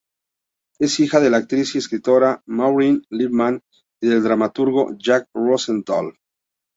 Es hija de la actriz y escritora Maureen Lipman, y del dramaturgo Jack Rosenthal.